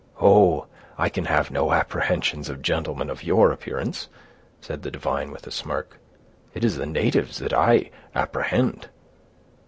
"Oh! I can have no apprehensions of gentlemen of your appearance," said the divine, with a smirk. "It is the natives that I apprehend."